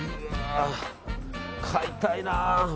買いたいな。